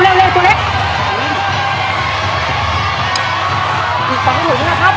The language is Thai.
ไอ้สัวเล็กไปเตรียมละครั้ง